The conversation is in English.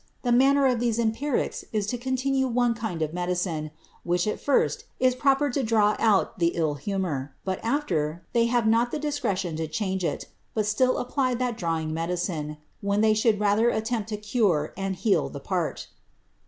The manner of these empirics is to continue one kind of medicine, which, at first, is proper to draw out the ill humour, but afler, they have not the discre tion to change it, but still apply that drawing medicine, when they should rather attempt to cure and heal the part."